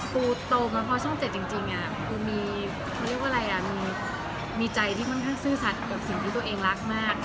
กูโตมาพอช่องเจ็ดจริงอ่ะกูมีใจที่ค่อนข้างซื่อสัตว์กับสิ่งที่ตัวเองรักมาก